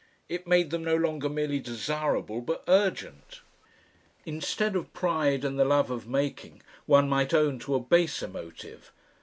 It made them no longer merely desirable but urgent. Instead of pride and the love of making one might own to a baser motive.